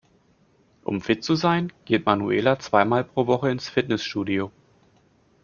Um fit zu sein, geht Manuela zweimal pro Woche ins Fitnessstudio.